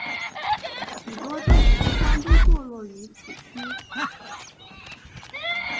许多政府机关都座落在此区。